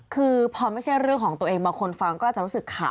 คือพอไม่ใช่เรื่องของตัวเองบางคนฟังก็อาจจะรู้สึกข่าว